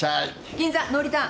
銀座ノーリターン。